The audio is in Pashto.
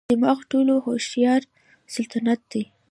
دماغ ټولو هوښیار سلطان دی.